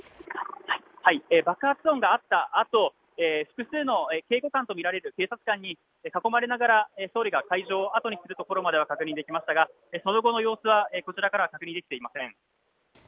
爆発音があったあと複数の警護官と見られる警察官に囲まれながら総理が会場を後にするところまでは確認できましたがその後の様子はこちらからは確認できていません。